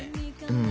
うん。